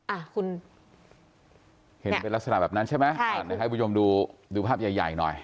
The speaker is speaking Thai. อ่ะคุณเห็นเป็นลักษณะแบบนั้นใช่ไหมใช่คุณผู้ชมดูภาพใหญ่อีกหน่อย